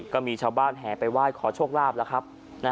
ก็มีชาวบ้านแหงไปว่ายขอโชคลาภละครับ